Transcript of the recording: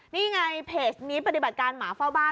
นี่ไงเพจนี้ปฏิบัติการหมาเฝ้าบ้าน